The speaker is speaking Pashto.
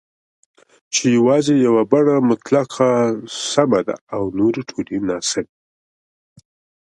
چې یوازې یوه بڼه مطلق سمه ده او نورې ټولې ناسمي